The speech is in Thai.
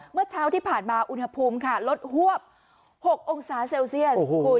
เมื่อเช้าที่ผ่านมาอุณหภูมิค่ะลดฮวบ๖องศาเซลเซียสคุณ